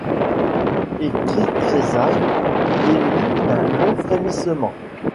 Et qui tressaille, ému d’un long frémissement